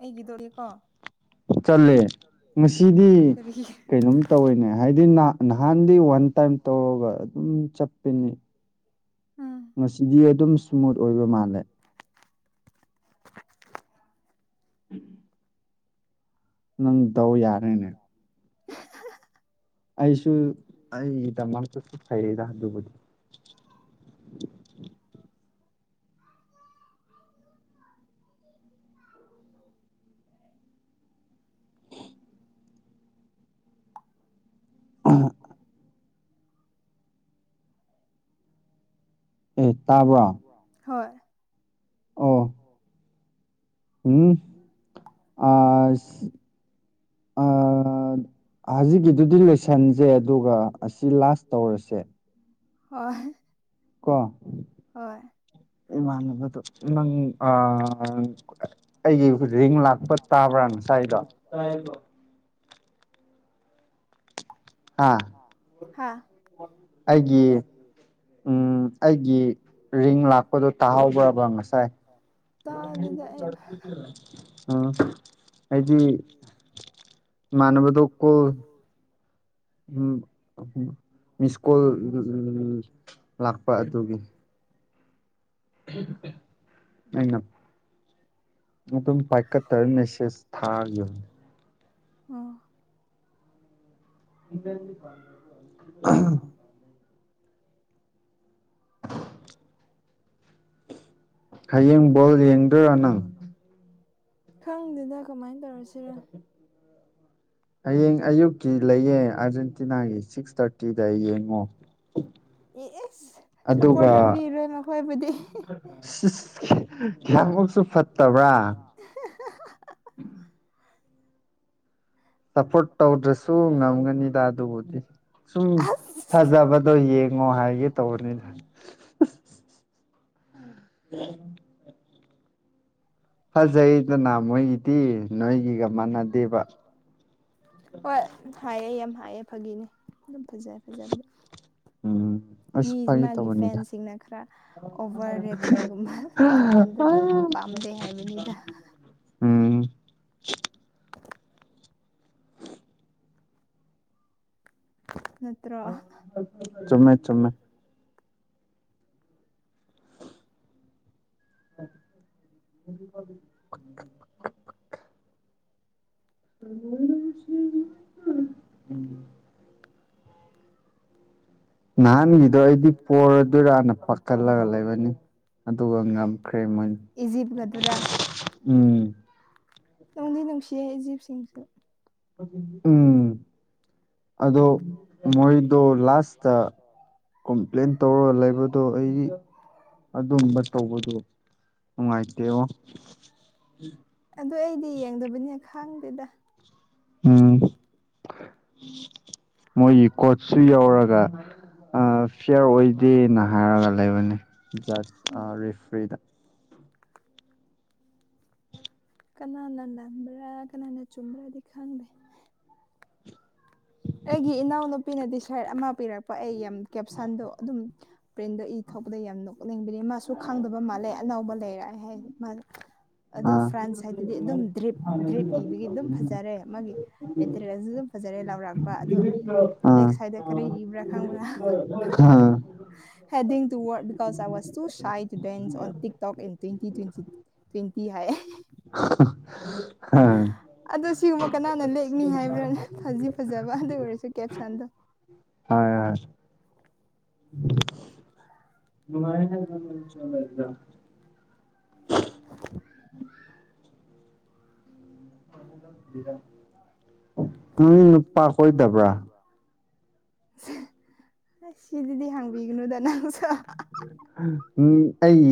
ꯑꯩꯒꯤꯗꯣꯒꯦꯀꯣ ꯆꯠꯂꯦ ꯉꯗꯤ ꯀꯩꯅꯣꯝ ꯇꯧꯤꯅꯦ ꯍꯥꯏꯗꯤ ꯅꯍꯥꯟꯗꯤ ꯋꯥꯟ ꯇꯥꯏꯝ ꯇꯧꯔꯒ ꯑꯗꯨꯝ ꯆꯠꯄꯅꯤ ꯉꯁꯤꯗꯤ ꯑꯗꯨꯝ ꯏꯁꯃꯨꯠ ꯑꯣꯏꯕ ꯃꯥꯜꯂꯦ [inaudible] ꯎꯝ ꯅꯪ ꯇꯧ ꯌꯥꯔꯦꯅꯦ [inaudible] ꯑꯩꯁꯨ ꯑꯩꯒꯤꯗꯃꯛꯇꯁꯨ ꯐꯩꯔꯗ ꯑꯗꯨꯕꯨꯗꯤ ꯑ ꯑꯦ ꯇꯥꯄ ꯍꯣꯏ ꯑ ꯎꯝ ꯑ ꯑꯣ ꯍꯧꯖꯤꯛꯀꯤꯗꯨꯗꯤ ꯂꯣꯏꯁꯟꯁꯦ ꯑꯗꯨꯒ ꯑꯁꯤ ꯂꯥꯁ ꯇꯧꯔꯁꯦ ꯍꯣꯏ ꯀꯣ ꯏꯃꯥꯟꯅꯕꯗꯣ ꯅꯪ ꯑꯩꯒꯤ ꯍꯧꯖꯤꯛ ꯂꯥꯛꯄ ꯇꯥꯕ꯭ꯔꯥ ꯉꯁꯥꯏꯗꯣ ꯍꯥꯥ ꯑꯩꯒꯤ ꯎꯝ ꯑꯩꯒꯤ ꯔꯤꯡ ꯂꯥꯛꯄꯗꯨꯣ ꯇꯥꯍꯕ꯭ꯔꯕ ꯉꯁꯥꯏ ꯇꯥꯟ ꯑꯗꯨꯗ ꯑ ꯑꯩꯗꯤ ꯃꯅꯕꯗ ꯀꯣ ꯎꯝ ꯎ ꯃꯤꯁ ꯀꯣꯜ ꯂꯥꯛꯄ ꯑꯗꯨꯒꯤ ꯑꯦꯅꯝ ꯃ ꯄꯥꯏꯀ ꯇꯔꯅꯁꯦꯁ ꯊꯥ ꯌ ꯎꯝ [inaudible] ꯍꯌꯦꯡꯕꯣꯜ ꯌꯦꯡꯗꯣꯏꯔꯥ ꯅꯪ ꯈꯪꯗꯨꯅ ꯀꯃꯥꯏꯅ ꯇꯧꯔꯁꯤꯔ ꯍꯌꯦꯡ ꯑꯌꯨꯛꯀꯤ ꯂꯩꯌꯦ ꯑꯥꯔꯖꯦꯟꯇꯤꯅꯥꯒꯤ ꯁꯤꯛꯁ ꯊꯥꯔꯇꯤꯗ ꯌꯦꯡꯉꯣ ꯑꯦꯁ ꯁꯞꯄꯣꯔꯠ ꯇꯧꯕꯤꯔꯣꯏ ꯃꯈꯣꯏꯕꯨꯗꯤ ꯀꯌꯥꯃꯨꯛꯁꯨ ꯐꯠꯇꯕ꯭ꯔꯥ ꯍ ꯁꯄꯣꯔꯠ ꯇꯧꯗ꯭ꯔꯁꯨ ꯉꯝꯒꯅꯤꯗ ꯑꯗꯨꯕꯨꯗꯤ ꯁꯨꯝ ꯐꯖꯕꯗꯣ ꯌꯦꯡꯉꯣ ꯍꯥꯏꯒꯦ ꯇꯧꯕꯅꯤ ꯅ ꯎ ꯐꯖꯩꯗꯅ ꯃꯣꯏꯒꯤꯗꯤ ꯅꯣꯏꯒꯤꯒ ꯃꯥꯟꯅꯗꯦꯕ ꯍꯣꯏ ꯍꯥꯏꯑ ꯌꯥꯝ ꯍꯥꯏꯑꯦ ꯐꯥꯒꯤꯅꯦ ꯑꯗꯨꯝ ꯐꯖꯩ ꯐꯖꯕꯝ ꯎꯝ ꯃꯤ ꯃꯥꯒꯤ ꯐꯦꯟꯁꯤꯡꯅ ꯈꯔ ꯑꯣꯚꯔ ꯔꯤꯌꯦꯁꯟꯒꯨꯝꯕ ꯇꯧꯕ ꯀꯥꯟꯗ ꯄꯥꯝꯗꯦ ꯍꯥꯏꯕꯅꯤꯗ [inaudible] ꯅꯠꯇ꯭ꯔ [inaudible] ꯎꯝ ꯑꯁ ꯅꯍꯥꯟꯒꯤꯗꯣ ꯑꯩꯗꯤ ꯄꯔꯗꯣꯏꯔꯅ ꯄꯥꯈꯠꯂꯒ ꯂꯩꯕꯅꯤ ꯑꯗꯨꯒ ꯉꯝꯈ꯭ꯔꯦ ꯃꯣꯏꯅ ꯎꯝ ꯅꯣꯡꯗꯤ ꯅꯨꯡꯁꯤ ꯖꯤꯞꯁꯤꯡꯁꯨ ꯎꯝ ꯑꯗꯣ ꯃꯣꯏꯗꯣ ꯂꯥꯁꯇ ꯀꯣꯝꯄ꯭ꯂꯦꯟ ꯇꯧꯔꯒ ꯂꯩꯕꯗꯣ ꯑꯩꯒꯤ ꯑꯗꯨꯝꯕ ꯇꯧꯕꯗꯨ ꯅꯨꯡꯉꯥꯏꯇꯦ ꯑꯣ ꯑꯗꯨ ꯑꯩꯗꯤ ꯌꯦꯡꯗꯕꯅꯤꯅ ꯈꯥꯡꯗꯦꯗ ꯎꯝ ꯃꯣꯏꯒꯤ ꯀꯣꯆꯁꯤ ꯌꯧꯔꯒ ꯐꯤꯌꯥꯔ ꯑꯣꯏꯗꯦꯅ ꯍꯥꯏꯔꯒ ꯂꯩꯕꯅꯤ ꯖ ꯔꯤꯐ꯭ꯔꯤꯗ ꯀꯅꯥꯅ ꯅꯝꯕ꯭ꯔꯥ ꯀꯅꯥꯅ ꯆꯨꯝꯕ꯭ꯔꯗꯤ ꯈꯪꯗꯦ ꯑꯩꯒꯤ ꯏꯅꯥꯎꯅꯨꯄꯤꯅꯗꯤ ꯁꯔꯠ ꯑꯃ ꯄꯤꯔꯛꯄ ꯑꯩ ꯌꯥꯝ ꯀꯦꯞꯁꯟꯗꯣ ꯑꯗꯨꯝ ꯄ꯭ꯔꯤꯟꯗꯣ ꯏ ꯊꯣꯛꯄꯗ ꯌꯥꯝꯅ ꯀꯛꯅꯤꯡꯕꯤꯔꯛꯑꯦ ꯃꯥꯁꯨ ꯈꯪꯗꯕ ꯃꯥꯜꯂꯦ ꯑꯅꯧꯕ ꯂꯩꯔꯑꯦ ꯍꯥꯏ ꯃꯥ ꯑꯗꯨ ꯐ꯭ꯔꯥꯟꯁ ꯍꯥꯏꯗꯗꯤ ꯑꯗꯨꯝ ꯗ꯭ꯔꯤꯞ ꯗ꯭ꯔꯤꯞ ꯏꯕꯒꯤ ꯑꯗꯨꯝ ꯐꯖꯔꯦ ꯃꯥꯒꯤ ꯃꯠꯇꯔ ꯐꯖꯔꯂꯔ ꯑꯗꯣ ꯕꯦꯛ ꯁꯥꯏꯗ ꯀꯔꯤ ꯏꯕ꯭ꯔꯥ ꯈꯪꯕ꯭ꯔꯥ ꯍꯦꯗꯤ ꯇꯨꯋꯀꯣ ꯋꯥ ꯇꯨ ꯇꯤ ꯇꯣꯛ ꯑꯦꯟ꯭ꯋꯦꯟ꯭ꯋ ꯇ꯭ꯋꯦꯟꯇꯤ ꯍꯥꯏꯌꯦ ꯑꯗꯣ ꯁꯤꯒꯨꯝꯕ ꯀꯅꯥꯅ ꯂꯦꯛꯅꯤ ꯍꯥꯏꯕ꯭ꯔꯥꯅ ꯐꯖꯤ ꯐꯖꯕ ꯑꯗꯨ ꯑꯣꯏꯔꯁꯨ ꯀꯦꯞꯁꯟꯗꯣ ꯍꯣꯏ ꯍꯣꯏ ꯅꯨꯡꯃꯥꯏ ꯃ ꯆꯗ [inaudible] ꯎꯝ ꯄꯥ ꯀꯗꯔ ꯄꯨ ꯑꯁ ꯁꯤꯁꯤꯗꯤ ꯍꯥꯡꯕꯤꯒꯅꯨꯗ ꯅꯪꯁꯨ ꯎꯝ ꯑꯩ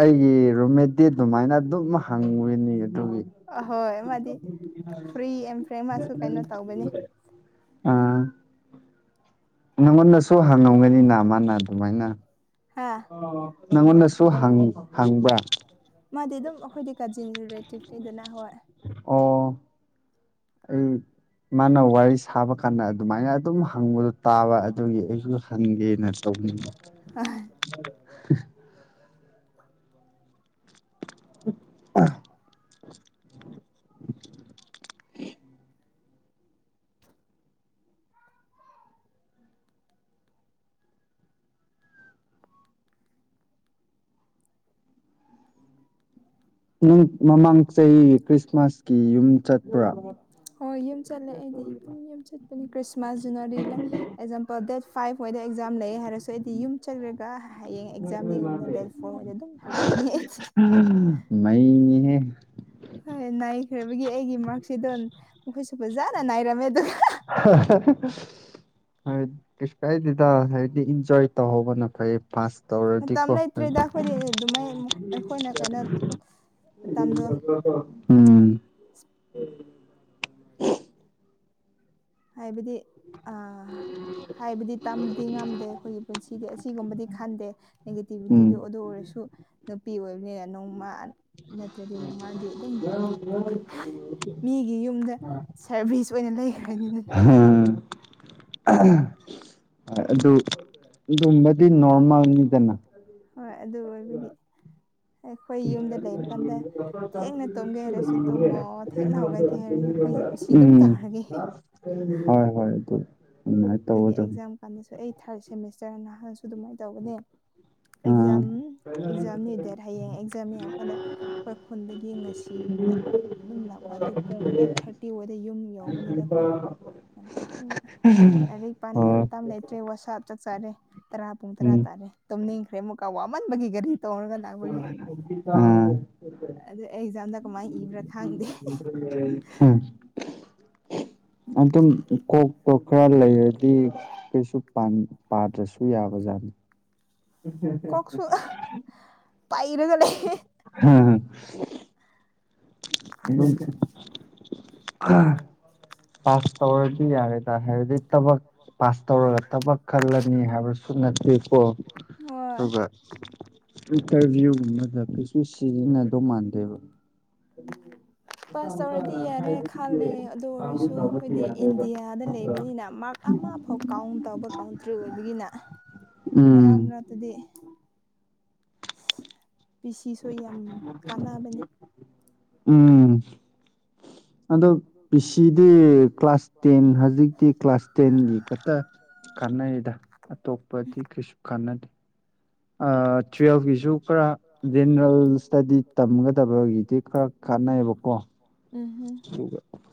ꯑꯩꯒꯤ ꯔꯣꯃꯦꯗꯤ ꯑꯗꯨꯃꯥꯏꯅ ꯑꯗꯨꯝ ꯍꯪꯉꯤꯅꯤ ꯑꯗꯨꯒꯤ [inaudible] ꯐ꯭ꯔꯤ ꯑꯦꯟ ꯐ꯭ꯔꯔꯤ ꯃꯥꯁꯨ ꯀꯩꯅꯣ ꯇꯧꯕꯅꯤ ꯑꯥ ꯅꯪꯉꯣꯟꯗꯁꯨ ꯍꯪꯉꯝꯒꯅꯤꯅ ꯃꯥꯅ ꯑꯗꯨꯃꯥꯏꯅ ꯅꯪꯉꯣꯟꯗꯁꯨ ꯍꯪꯕ ꯃꯥꯗꯤ ꯑꯗꯨꯝ ꯑꯩꯈꯣꯏꯗꯤ ꯀꯥꯖꯤꯟ ꯔꯤꯂꯦꯇꯤꯞꯇꯗꯅ ꯍꯣꯏ ꯑꯣ ꯑꯩ ꯃꯥꯅ ꯋꯥꯔꯤ ꯁꯥꯕ ꯀꯥꯟꯗ ꯑꯗꯨꯃꯥꯏꯅ ꯑꯗꯨꯝ ꯍꯪꯕꯗꯣ ꯇꯥꯕ ꯑꯗꯨꯒꯤ ꯑꯩꯁꯨ ꯍꯟꯒꯦꯅ ꯇꯧꯕꯅꯤꯡꯕ ꯑ ꯎ ꯑ [inaudible] ꯃꯃꯥꯡ ꯆꯍꯤꯒꯤ ꯈ꯭ꯔꯤꯁꯃꯥꯁꯀꯤ ꯌꯨꯝ ꯆꯠꯄ꯭ꯔꯥ ꯍꯣꯏ ꯌꯨꯝ ꯆꯠꯂꯦ ꯑꯩꯗꯤꯝ ꯌꯨꯝ ꯆꯠꯄꯅꯦ ꯈ꯭ꯔꯤꯁꯃꯥꯁ ꯖꯅꯋꯥꯔꯤ ꯂꯩ ꯑꯦꯛꯖꯥꯝꯄꯜ ꯗꯦꯠ ꯐꯥꯏꯚꯣꯏꯗ ꯑꯦꯛꯖꯥꯝ ꯂꯩ ꯍꯥꯏꯔꯁꯨ ꯑꯗꯣ ꯑꯩꯗꯤ ꯌꯨꯝ ꯆꯠꯈ꯭ꯔꯒ ꯍꯌꯦꯡ ꯑꯦꯛꯖꯥꯝꯅꯤꯒꯨꯝꯅ ꯗꯦꯠ ꯐꯣꯔ ꯑꯣꯏꯅ ꯑꯗꯨꯝ ꯍꯜꯂꯛꯄꯅꯤ ꯑꯩꯗꯤ ꯃ ꯍꯣꯏ ꯅꯥꯏꯈ꯭ꯔꯕꯒꯤ ꯑꯩꯒꯤ ꯃꯥꯔꯛꯁꯤ ꯑꯗꯨꯣ ꯃꯈꯣꯏꯁꯨ ꯐꯖꯅ ꯅꯥꯏꯔꯝꯃꯦ ꯑꯗꯨ ꯍꯣꯏ ꯀꯁ ꯀꯥꯏꯗꯗ ꯍꯥꯏꯗꯤ ꯏꯟꯖ ꯇꯧꯍꯧꯕꯅ ꯐꯩꯌꯦ ꯐꯥꯁ ꯇꯧꯔꯗꯤꯀꯣ ꯎꯝ ꯍꯥꯏꯕꯗꯤ ꯍꯥꯏꯕꯗꯤ ꯇꯝꯕꯗꯤ ꯉꯝꯗꯦ ꯑꯩꯈꯣꯏꯒꯤ ꯄꯨꯟꯁꯤꯗꯤ ꯑꯁꯤꯒꯨꯝꯕꯗꯤ ꯈꯟꯗꯦ ꯅꯦꯒꯦꯇꯤꯕꯤꯇꯤꯗꯣ ꯑꯗꯨ ꯑꯣꯏꯔꯁꯨ ꯅꯨꯄꯤ ꯑꯣꯏꯕꯅꯤꯅ ꯅꯣꯡꯃ ꯅꯠꯇ꯭ꯔꯗꯤ ꯅꯣꯡꯃꯜꯗꯤ ꯑꯗꯨꯝ ꯃꯤꯒꯤ ꯌꯨꯝꯗ ꯁꯥꯔꯚꯤꯁ ꯑꯣꯏꯅ ꯂꯩꯈ꯭ꯔꯅꯤꯗꯅ ꯎꯝ ꯑꯗꯨ ꯍꯣꯏ ꯑꯗꯨ ꯑꯣꯏꯕꯒꯤ ꯑꯩꯈꯣꯏ ꯌꯨꯝꯗ ꯂꯩꯕ ꯀꯥꯟꯗ ꯊꯦꯡꯅ ꯇꯨꯝꯒꯦ ꯍꯥꯏꯔꯁꯨ ꯇꯨꯝꯃꯣ ꯊꯦꯡꯅ ꯍꯧꯒꯠꯀꯦ ꯍꯥꯏꯔꯁꯨ ꯑꯩꯈꯣꯏꯁꯤ ꯀꯁ ꯀ ꯑꯗꯨꯝ ꯇꯥꯔꯒꯦ ꯍꯦ ꯍ ꯍꯣꯏ ꯑꯗꯨꯣ ꯑꯗꯨꯒꯤ ꯑꯦꯛꯖꯥꯝ ꯀꯥꯟꯗꯁꯨ ꯑꯩ ꯊꯥꯔꯠ ꯁꯦꯃꯤꯁꯇꯔꯅ ꯅꯍꯥꯟꯅꯁꯨ ꯑꯗꯨꯃꯥꯏꯅ ꯇꯧꯕꯅꯦ ꯑꯦꯛꯖꯥꯝ ꯑꯦꯛꯖꯥꯝꯅꯤ ꯍꯌꯦꯡ ꯑꯦꯛꯖꯥꯝꯅꯤ ꯍꯥꯏꯕ ꯀꯥꯟꯗ ꯑꯩꯈꯣꯏ ꯈꯨꯟꯗꯒꯤ ꯉꯁꯤꯒꯨꯝꯕꯗ ꯑꯗꯨꯝ ꯂꯥꯛꯄ ꯑꯗꯨ ꯄꯨꯡ ꯑꯩꯠ ꯊꯥꯔꯇꯤ ꯑꯣꯏꯗ ꯌꯨꯝ ꯌꯧꯕꯅꯤꯗ ꯑꯩꯈꯣꯏ ꯌꯥꯝ ꯊꯦꯡꯅ ꯂꯥꯏꯔꯤꯛ ꯄꯥꯅꯤꯡꯉꯥꯏ ꯃꯇꯝ ꯇꯥꯝ ꯂꯩꯇ꯭ꯔꯦ ꯋꯥꯁꯥ ꯆꯥꯛ ꯆꯥꯔꯦ ꯇꯔꯥ ꯄꯨꯡ ꯇꯔꯥ ꯇꯥꯔꯦ ꯇꯨꯝꯅꯤꯡꯈ꯭ꯔꯦ ꯃꯨꯀ ꯋꯥꯃꯟꯕꯒꯤ ꯒꯥꯔꯤ ꯇꯧꯔꯒ [inaudible] ꯎ ꯑꯗꯨꯝ ꯀꯣꯛꯄ ꯈꯔ ꯂꯩꯔꯗꯤ ꯀꯩꯁꯨ ꯄꯥꯗ꯭ꯔꯁꯨ ꯌꯥꯕ ꯖꯥꯠꯅꯤ ꯀꯁꯨꯣ ꯄꯥꯏꯔꯒꯂꯦ ꯍꯥꯝ ꯑ ꯄꯥꯁ ꯇꯧꯔꯗꯤ ꯌꯥꯔꯦꯗ ꯍꯥꯏꯗꯤ ꯇꯕꯛ ꯄꯥꯁ ꯇꯧꯔꯒ ꯊꯕꯛ ꯈꯜꯂꯅꯤ ꯍꯥꯏꯕꯁꯨ ꯅꯠꯇꯦꯀꯣ ꯑꯗꯨꯒ ꯏꯟꯇꯔꯚ꯭ꯌꯨꯒꯨꯝꯕꯗ ꯀꯩꯁꯨ ꯁꯤꯖꯤꯟꯅꯗꯧ ꯃꯥꯟꯗꯦꯕ [unintelligible] ꯄꯥꯁ ꯇꯧꯔꯗꯤ ꯌꯥꯔꯦ ꯈꯜꯂꯦ ꯑꯗꯨ ꯑꯣꯏꯔꯁꯨ ꯑꯩꯈꯣꯏꯗꯤ ꯏꯟꯗꯤꯌꯥꯗ ꯂꯩꯕꯅꯤꯅ ꯃꯥ꯭ꯔꯛ ꯑꯃꯐꯥꯎ ꯀꯥꯎꯟ ꯇꯧꯕ ꯀꯥꯎꯟꯇ꯭ꯔꯤ ꯑꯣꯏꯕꯅꯤꯅ ꯎꯝ ꯑꯗꯨꯗꯤ ꯄꯤ ꯁꯤꯁꯨ ꯌꯥꯝ ꯀꯥꯟꯅꯕꯅꯦ ꯎꯝ ꯑꯗꯨ ꯄꯤꯁꯤꯗꯤ ꯀ꯭ꯂꯥꯁ ꯇꯦꯟ ꯍꯧꯖꯤꯛꯇꯤ ꯀ꯭ꯂꯥꯁ ꯇꯦꯟꯒꯤ ꯈꯛꯇ ꯀꯥꯟꯅꯩꯗ ꯑꯇꯣꯞꯄꯗꯤ ꯀ꯭ꯔꯤꯁꯨ ꯀꯥꯟꯅꯗꯦ ꯑꯥ ꯇꯨꯌꯦꯜꯞ ꯀꯤꯁꯨ ꯈꯥꯔ ꯖꯦꯅꯔꯦꯜ ꯏꯁꯇꯗꯤ ꯇꯝꯒꯗꯕꯒꯤꯗꯤ ꯈꯔ ꯀꯥꯟꯅꯩꯕꯀꯣ ꯎꯝ ꯍꯝ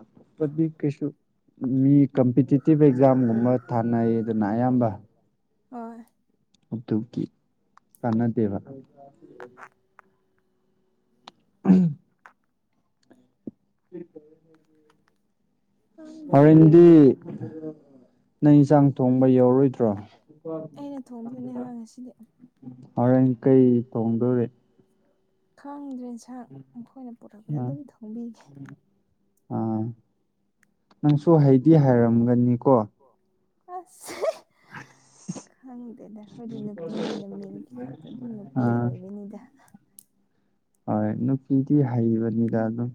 ꯑꯇꯣꯞꯄꯗꯤ ꯀꯩꯁꯨ ꯃꯤ ꯀꯝꯄꯤꯇꯤꯇꯤꯞ ꯑꯦꯛꯖꯥꯝꯒꯨꯝꯕ ꯊꯥꯅꯩꯗꯅ ꯑꯌꯥꯝꯕ ꯍꯣꯏ ꯑꯗꯨꯒꯤ ꯀꯟꯅꯗꯦꯕ [unintelligible] [unintelligible] ꯍꯣꯔꯦꯟꯗꯤ ꯅꯪ ꯏꯟꯁꯥꯡ ꯊꯣꯡꯕ ꯌꯥꯎꯔꯔꯣꯏꯗ꯭ꯔꯣ ꯍꯣꯔꯦꯟ ꯀꯩ ꯊꯣꯡꯗꯣꯔꯤ ꯈꯪꯗ꯭ꯔꯦ ꯢꯟꯁꯥꯡ ꯃꯈꯣꯏꯅ ꯄꯨꯔꯛꯄꯗꯨ ꯑꯗꯨꯝ ꯊꯣꯡꯕꯤꯒꯦ ꯑꯥ ꯅꯪꯁꯨ ꯍꯩꯗꯤ ꯍꯥꯏꯔꯝꯒꯅꯤꯀꯣ ꯑꯁ ꯈꯪꯗꯦꯗ ꯑꯩꯈꯣꯏꯗꯤ ꯅꯨꯄꯤꯅꯤꯅ ꯃꯤꯡꯒꯤ ꯈꯛꯇ ꯑꯗꯨꯝ ꯅꯨꯄꯤ ꯑꯣꯏꯕꯅꯤꯗ ꯍꯣꯢ ꯅꯨꯄꯤꯗꯤ ꯍꯩꯕꯅꯤꯗ ꯑꯗꯨꯝ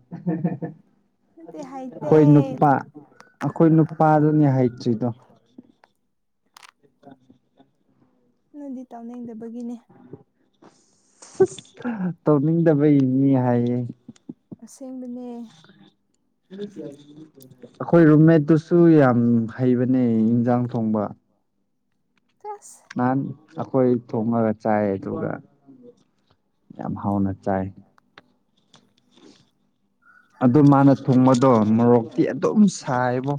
ꯑꯩꯈꯣꯏ ꯅꯨꯄꯥ ꯑꯩꯈꯣꯏ ꯅꯨꯄꯥꯗꯨꯅꯦ ꯍꯩꯇ꯭ꯔꯤꯗꯣ [unintelligible] ꯅꯣꯢꯗꯤ ꯇꯧꯅꯤꯡꯗꯕꯒꯤꯅꯤ ꯇꯧꯅꯤꯡꯗꯕꯩꯅꯤ ꯍꯥꯏꯌꯦ ꯑꯁꯦꯡꯕꯅꯦ ꯑꯩꯈꯣꯏ ꯔꯨꯝꯃꯦꯠꯇꯨꯁꯨ ꯌꯥꯝ ꯍꯩꯕꯅꯦ ꯏꯟꯖꯥꯡ ꯊꯣꯡꯕ ꯇꯁ ꯅꯍꯥꯟ ꯑꯩꯈꯣꯏ ꯊꯣꯡꯉꯒ ꯆꯥꯏ ꯑꯗꯨꯒ ꯌꯥꯝ ꯍꯥꯎꯅ ꯆꯥꯏ ꯑꯗꯨ ꯃꯥꯅ ꯊꯣꯡꯕꯗꯣ ꯃꯣꯔꯣꯛꯇꯤ ꯑꯗꯨꯝ ꯁꯥꯏꯑꯦꯕꯣ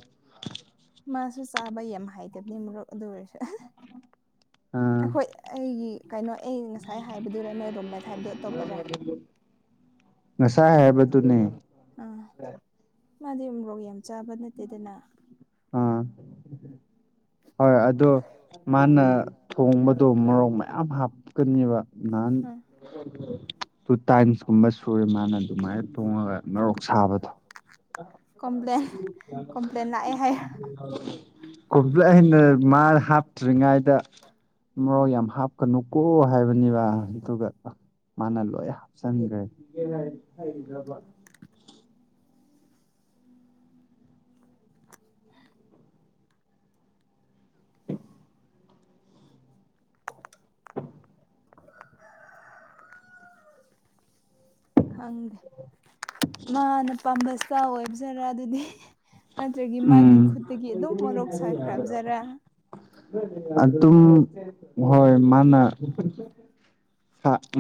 ꯃꯥꯁꯨ ꯆꯥꯕ ꯌꯥꯝ ꯍꯩꯇꯕꯅꯤ ꯃꯣꯔꯣꯛ ꯑꯗꯨ ꯑꯣꯏꯔꯁꯨ ꯑꯩꯈꯣꯏ ꯑꯩꯒꯤ ꯀꯩꯅꯣ ꯑꯩ ꯉꯁꯥꯏ ꯍꯥꯏꯕꯗꯨꯔ ꯅꯣꯏ ꯔꯨꯝꯃꯦꯠ ꯍꯥꯏꯕꯗꯣ ꯑꯇꯣꯞꯄꯔꯥ ꯑꯥ ꯃꯥꯗꯤ ꯃꯣꯔꯣꯛ ꯌꯥꯝ ꯆꯥꯕ ꯅꯠꯇꯦꯗꯅ [inaudible] ꯍꯣꯏ ꯑꯗꯣ ꯃꯥꯅ ꯊꯣꯡꯕꯗꯣ ꯃꯣꯔꯣꯛ ꯃꯌꯥꯝ ꯍꯥꯞꯀꯅꯦꯕ ꯅꯍꯥꯟ ꯇꯨ ꯇꯥꯏꯝꯁ ꯀꯨꯝꯕ ꯁꯨꯔꯦ ꯃꯥꯅ ꯑꯗꯨꯃꯥꯏꯅ ꯊꯣꯡꯉꯒ ꯃꯣꯔꯣꯛ ꯁꯥꯕꯗꯣ ꯀꯣꯝꯄ꯭ꯂꯦꯟ ꯀꯣꯝꯄ꯭ꯂꯦꯟ ꯂꯥꯛꯑꯦ ꯍꯥꯏ ꯀꯣꯝꯄ꯭ꯂꯦꯟꯅ ꯃꯥꯜ ꯍꯥꯞꯇ꯭ꯔꯤꯉꯩꯗ ꯃꯣꯔꯣꯛ ꯌꯥꯝ ꯍꯥꯞꯀꯅꯨꯀꯣ ꯍꯥꯏꯕꯅꯦꯕ ꯑꯗꯨꯒ ꯃꯥꯅ ꯂꯣꯢ ꯍꯞꯆꯟꯒ꯭ꯔꯦ [unintelligible] ꯈꯪꯗꯦ ꯃꯥꯅ ꯄꯥꯝꯕ ꯏꯁꯇꯥꯢꯜ ꯑꯣꯏꯕꯖꯥꯠꯔ ꯑꯗꯨꯗꯤ ꯅꯠꯇ꯭ꯔꯒꯤ ꯃꯥꯒꯤ ꯈꯨꯠꯇꯒꯤ ꯑꯗꯨꯝ ꯃꯣꯔꯣꯛ ꯁꯥꯈ꯭ꯔꯕꯖꯥꯠꯂ ꯑꯗꯨ ꯑꯗꯨꯝ ꯍꯣꯏ ꯃꯥꯅꯥ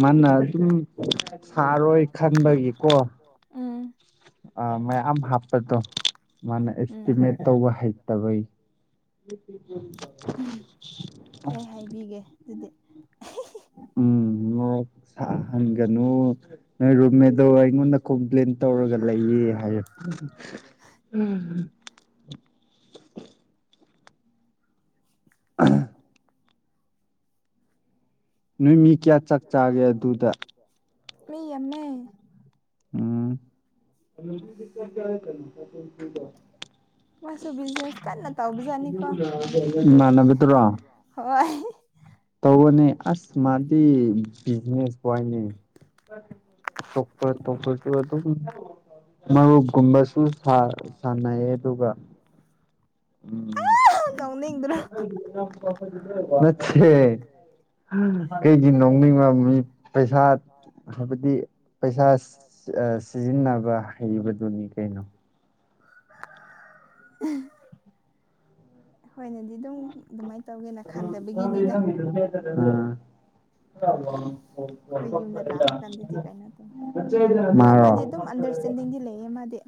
ꯃꯥꯅ ꯑꯗꯨꯝ ꯁꯥꯔꯣꯏ ꯈꯟꯕꯒꯤꯀꯣ ꯑ ꯃꯌꯥꯝ ꯍꯥꯞꯄꯗꯣ ꯃꯥꯅ ꯑꯦꯁꯇꯤꯃꯦꯠ ꯇꯧꯕ ꯍꯩꯇꯕꯒꯤ [unintelligible] ꯍꯥꯏꯕꯤꯒꯦ ꯑꯗꯨꯗꯤ ꯎꯝ ꯃꯣꯛ ꯁꯥꯍꯟꯒꯅꯨ ꯅꯣꯏ ꯔꯨꯝꯃꯦꯗꯣ ꯑꯩꯉꯣꯟꯗ ꯀꯣꯝꯄ꯭ꯂꯦꯟ ꯇꯧꯔꯒ ꯂꯩꯌꯦ ꯍꯥꯏ ꯎꯝꯝ ꯑꯣ ꯅꯣꯏ ꯃꯤ ꯀꯌꯥ ꯆꯥꯛ ꯆꯥꯒꯦ ꯑꯗꯨꯗ ꯃꯤ ꯑꯦꯝ ꯑꯦ ꯎꯝ ꯃꯁꯨ ꯕꯤꯖꯤꯅꯦꯁ ꯀꯟꯅ ꯇꯧꯕꯖꯅꯤꯀꯣ ꯍꯣꯏ ꯇꯧꯕꯅꯦ ꯑꯁ ꯃꯥꯗꯤ ꯕꯤꯖꯤꯅꯦꯁ ꯋꯥꯅꯤ ꯇꯣꯞꯄ ꯇꯣꯄꯁꯨ ꯇ ꯃꯔꯨꯞꯀꯨꯝꯕꯁꯨ ꯁꯥꯟꯅꯩꯌꯦ ꯑꯗꯨꯒ ꯎꯝ ꯃꯦ ꯀꯩꯗꯤ ꯅꯣꯡꯅꯤꯡꯕ ꯃꯤ ꯄꯩꯁꯥ ꯍꯥꯏꯕꯗꯤ ꯄꯩꯁꯥ ꯁꯤꯖꯤꯟꯅꯕ ꯍꯩꯕꯗꯨꯅꯤ ꯀꯩꯅꯣ [inaudible] ꯑꯩꯈꯣꯏꯅꯗꯤ ꯑꯗꯨꯝ ꯑꯗꯨꯃꯥꯏꯅ ꯇꯧꯒꯦꯅ ꯈꯟꯗꯕꯒꯤꯅꯤꯗ ꯑ ꯃꯥꯔꯣ ꯆꯟꯗꯦꯡꯗꯤ ꯂꯩꯌꯦ ꯃꯥꯗꯤꯦ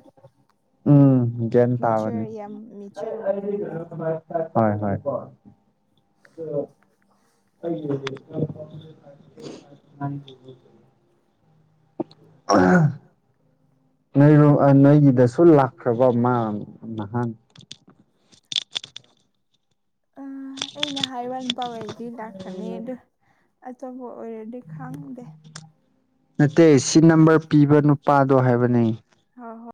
ꯎꯝ ꯦꯟ ꯊꯥꯕꯅꯤ ꯍ ꯍꯣꯏ ꯎ ꯑꯩ ꯑ ꯅꯔꯣ ꯅꯣꯏꯒꯤꯗꯁꯨ ꯂꯥꯛꯈ꯭ꯔꯕ ꯃꯥ ꯅꯍꯥꯟ ꯑ ꯑꯩꯅ ꯍꯥꯏ ꯋꯥ ꯅꯨꯄꯥꯥꯎꯋꯥꯩꯗꯤ ꯂꯥꯛꯈ꯭ꯔꯅꯤ ꯑꯗ ꯑꯆꯧꯕ ꯑꯣꯏꯔꯗꯤ ꯈꯪꯗꯦ ꯅꯠꯇꯦ ꯁꯤ ꯅꯝꯕꯔ ꯄꯤꯕ ꯅꯨꯄꯥꯗꯣ ꯍꯥꯏꯕꯅꯦ